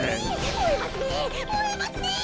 もえますねえもえますねえ！